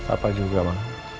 apa juga ma